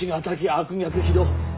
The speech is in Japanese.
悪逆非道。